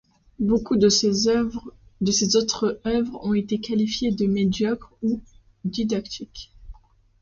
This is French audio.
Beaucoup de ses autres œuvres ont été qualifiées de médiocres ou didactiques.